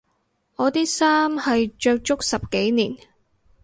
我啲衫係着足十幾年